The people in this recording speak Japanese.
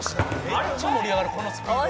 「めっちゃ盛り上がるこのスピード」